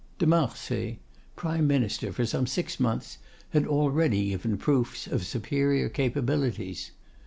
De Marsay, prime minister for some six months, had already given proofs of superior capabilities.